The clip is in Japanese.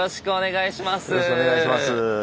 よろしくお願いします。